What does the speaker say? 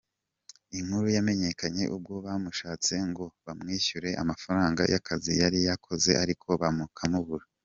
Inkuru yamenyekanye ubwo bamushatse ngo bamwishyure amafaranga y’akazi yari yakoze ariko bakamubura.